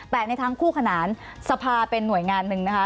แต่ในทั้งคู่ขนานสภาเป็นหน่วยงานหนึ่งนะคะ